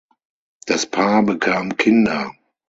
Das Paar bekam Kinder.